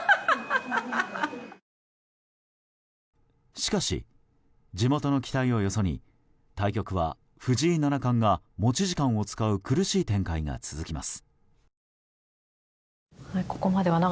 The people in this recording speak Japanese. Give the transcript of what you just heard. しかし地元の期待をよそに対局は藤井七冠が持ち時間を使う苦しい展開が続きます。